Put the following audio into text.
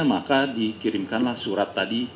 maka dikirimkanlah surat tadi